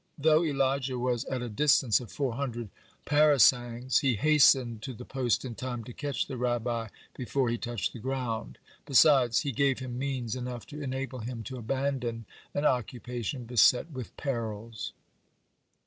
Though Elijah was at a distance of four hundred parasangs, he hastened to the post in time to catch the Rabbi before he touched the ground. Besides, he gave him means enough to enable him to abandon an occupation beset with perils.